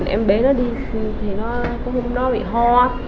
em bé nó đi có hôm đó bị ho